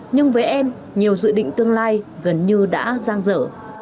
nhưng với em nhiều dự định tương lai gần như đã giang dở